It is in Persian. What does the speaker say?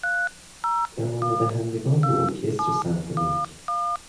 اعانه دهندگان به ارکستر سمفونیک